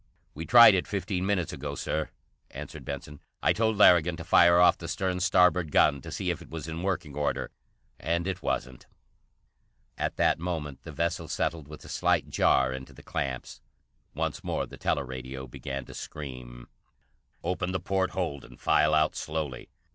"We tried it fifteen minutes ago, Sir," answered Benson. "I told Larrigan to fire off the stern starboard gun to see if it was in working order, and it wasn't!" At that moment the vessel settled with a slight jar into the clamps. Once more the teleradio began to scream: "Open the port hold and file out slowly.